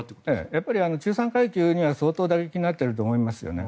やっぱり中産階級には相当打撃になっていると思いますね。